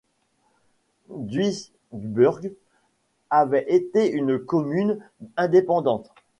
Duisburg avait été une commune indépendante.